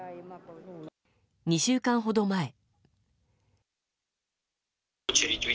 ２週間ほど前。